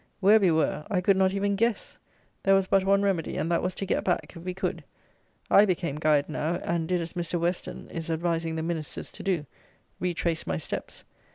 Where we were I could not even guess. There was but one remedy, and that was to get back, if we could. I became guide now; and did as Mr. Western is advising the Ministers to do, retraced my steps.